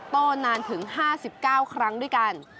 โต้นานถึง๕๙ครั้งด้วยกัน